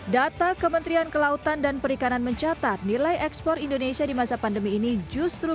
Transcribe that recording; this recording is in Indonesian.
data kementerian kelautan dan perikanan mencatat nilai ekspor indonesia di masa pandemi ini justru